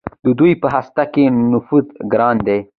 د دوی په هسته کې نفوذ ګران دی.